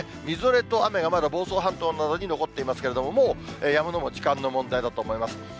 みぞれと雨が、まだ房総半島などに残っていますけれども、もうやむのも時間の問題だと思います。